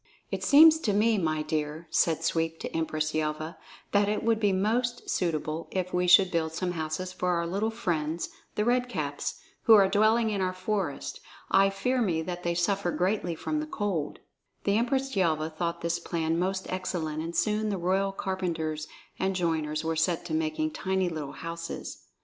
"It seems to me, my dear," said Sweep to Empress Yelva, "that it would be most suitable if we should build some houses for our little friends, the Red Caps, who are dwelling in our forest. I fear me that they suffer greatly from the cold." The Empress Yelva thought this plan most excellent, and soon the royal carpenters and joiners were set to making tiny little houses.